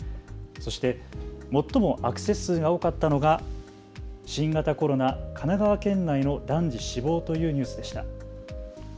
そして最もアクセス数が多かったのが新型コロナ、神奈川県内の男児死亡というニュースでした。